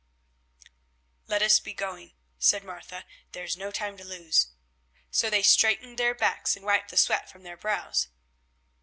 "Let us be going," said Martha. "There is no time to lose." So they straightened their backs and wiped the sweat from their brows.